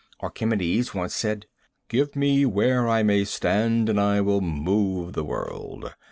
Archimedes once said: "Give me where I may stand, and I will move the world."